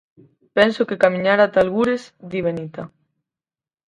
Penso que camiñar ata algures, di Benita.